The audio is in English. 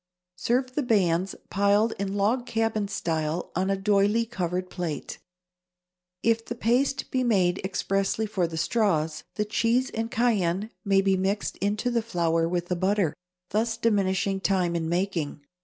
Serve the bands piled in log cabin style on a doylie covered plate. If the paste be made expressly for the straws, the cheese and cayenne may be mixed into the flour with the butter, thus diminishing time in making.